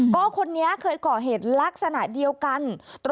ก็คนนี้เคยก่อเหตุลักษณะเดียวกัน